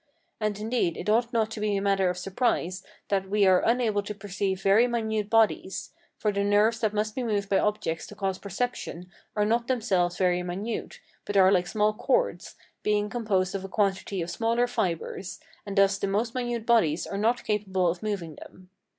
And indeed it ought not to be a matter of surprise, that we are unable to perceive very minute bodies; for the nerves that must be moved by objects to cause perception are not themselves very minute, but are like small cords, being composed of a quantity of smaller fibres, and thus the most minute bodies are not capable of moving them.